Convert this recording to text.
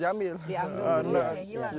jadi dianggur terus ya hilang ya